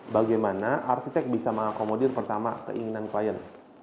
bagaimana arsitek bisa mengakomodir pertama keinginan klien